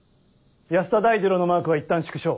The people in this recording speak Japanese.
安田大二郎のマークはいったん縮小。